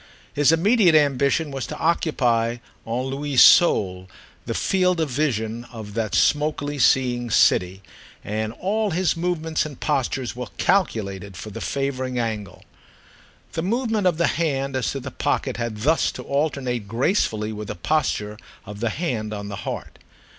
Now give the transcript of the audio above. His immediate ambition was to occupy à lui seul the field of vision of that smokily seeing city, and all his movements and postures were calculated for the favouring angle. The movement of the hand as to the pocket had thus to alternate gracefully with the posture of the hand on the heart.